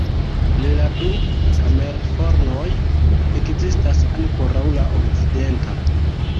El la du kamenfornoj ekzistas ankoraŭ la okcidenta.